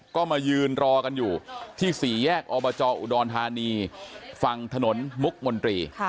ก็มายืนรอกันอยู่ที่สี่แยกอบจอุดรธานีฝั่งถนนมุกมนตรี